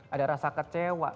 ada rasa kecewa